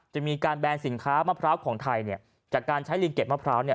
จะมีการแบนสินค้ามะพร้าวของไทยจากการใช้ลิงเก็บมะพร้าว